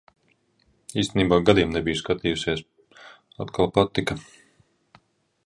Īstenībā gadiem nebiju skatījusies. Atkal patika.